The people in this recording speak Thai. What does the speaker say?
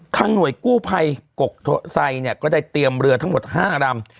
ทางหน่วยกู้ไพรกกไทยเนี่ยก็ได้เตรียมเรือทั้งหมด๕อาราม